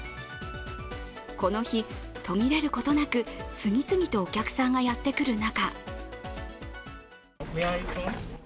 この日、途切れることなく次々とお客さんがやってくる中